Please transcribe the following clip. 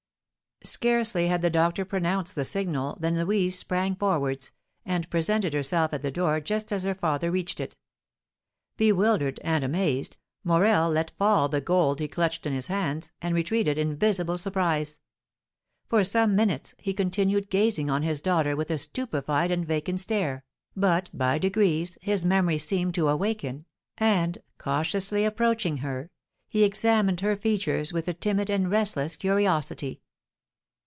Scarcely had the doctor pronounced the signal than Louise sprang forwards, and presented herself at the door just as her father reached it. Bewildered and amazed, Morel let fall the gold he clutched in his hands, and retreated in visible surprise. For some minutes he continued gazing on his daughter with a stupefied and vacant stare, but by degrees his memory seemed to awaken, and, cautiously approaching her, he examined her features with a timid and restless curiosity.